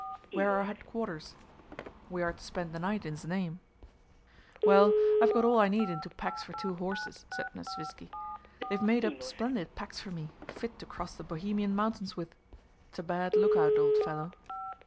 "Where are headquarters?" "We are to spend the night in Znaim." "Well, I have got all I need into packs for two horses," said Nesvítski. "They've made up splendid packs for me—fit to cross the Bohemian mountains with. It's a bad lookout, old fellow!